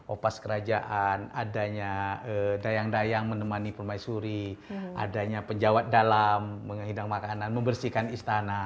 opas kerajaan adanya dayang dayang menemani permaisuri adanya penjawat dalam menghidang makanan membersihkan istana